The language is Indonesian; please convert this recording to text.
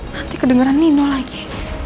nanti kedengeran nino lagi